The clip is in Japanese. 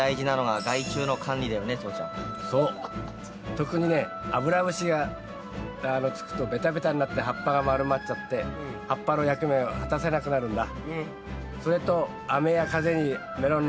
特にねアブラムシがつくとベタベタになって葉っぱが丸まっちゃって葉っぱの役目を果たせなくなるんだ。